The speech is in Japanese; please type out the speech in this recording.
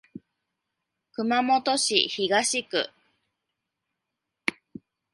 熊本市東区